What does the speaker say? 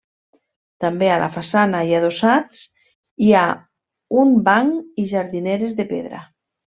També a la façana, i adossats hi ha un banc i jardineres de pedra.